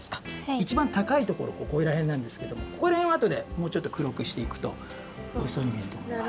いちばんたかいところここらへんなんですけどもここらへんをあとでもうちょっとくろくしていくとおいしそうにみえるとおもいます。